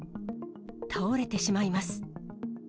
倒れてしまいます。